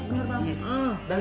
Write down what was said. benar benar bang